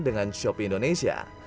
dengan shopee indonesia